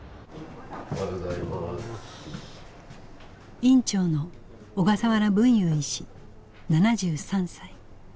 院長の小笠原文雄医師７３歳。